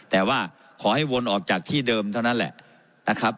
แต่ว่าขอให้วนออกจากที่เดิมเท่านั้นแหละนะครับ